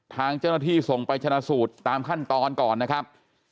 ทางเจ้าหน้าที่ส่งไปชนะสูตรตามขั้นตอนก่อนนะครับ